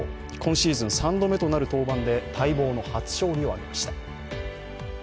今シーズン３度目となる登板で待望の初勝利を挙げました。